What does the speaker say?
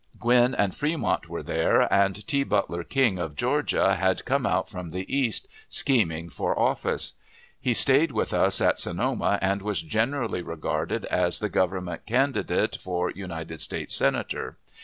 Gwin and Fremont were there, and T. Butler King, of Georgia, had come out from the East, scheming for office. He staid with us at Sonoma, and was generally regarded as the Government candidate for United States Senator.